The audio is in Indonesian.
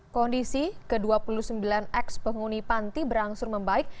kondisi ke dua puluh sembilan ex penghuni panti berangsur membaik